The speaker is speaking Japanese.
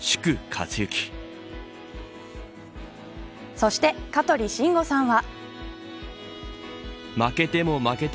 そして香取慎吾さんは。